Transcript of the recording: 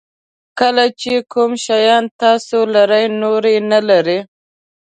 کله چې کوم شیان تاسو لرئ نور یې نه لري.